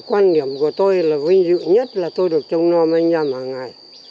quan điểm của tôi là vinh dự nhất là tôi được trông non với anh em hàng ngày